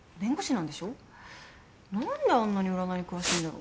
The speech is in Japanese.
なんであんなに占いに詳しいんだろ。